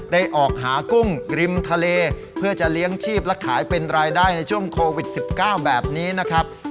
ออกหากุ้งริมทะเลเพื่อจะเลี้ยงชีพและขายเป็นรายได้ในช่วงโควิด๑๙แบบนี้นะครับ